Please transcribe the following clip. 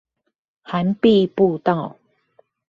涵碧步道